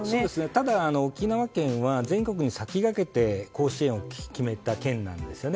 ただ、沖縄県は全国に先駆けて甲子園を決めた県なんですね。